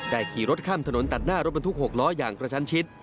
ขี่รถข้ามถนนตัดหน้ารถบรรทุก๖ล้ออย่างกระชันชิด